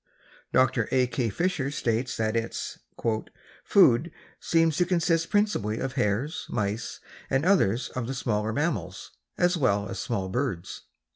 Dr. A. K. Fisher states that its "food seems to consist principally of hares, mice and others of the smaller mammals as well as small birds."